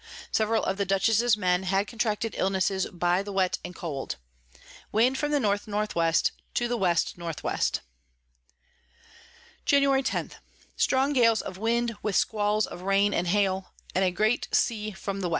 Several of the Dutchess's Men had contracted Illness by the Wet and Cold. Wind from the N N W. to the W N W. Jan. 10. Strong Gales of Wind, with Squalls of Rain and Hail, and a great Sea from the W.